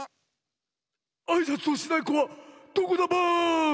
・あいさつをしないこはどこだバーン！